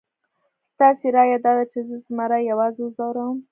ستاسې رایه داده چې زه زمري یوازې وځوروم؟